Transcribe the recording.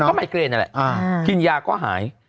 ก็ไมเกรนนั่นแหละกินยาก็หาย